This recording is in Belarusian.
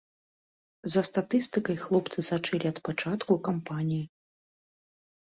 За статыстыкай хлопцы сачылі ад пачатку кампаніі.